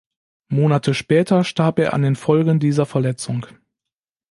Monate später starb er an den Folgen dieser Verletzung.